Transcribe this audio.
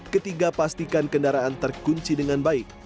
ketiga pastikan kendaraan terkunci dengan baik